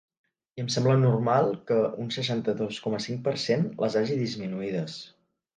I em sembla normal que un seixanta-dos coma cinc per cent les hagi disminuïdes.